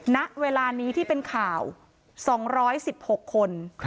ณเวลานี้ที่เป็นข่าว๒๑๖คน